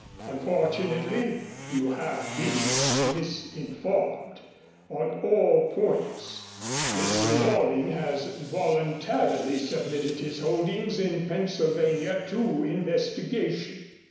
Unfortunately you have been misinformed on all points. Mr. Loring has voluntarily submitted his holdings in Pennsylvania to investigation.